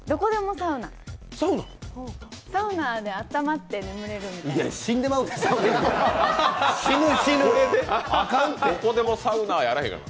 サウナであったまって眠れるみたいな。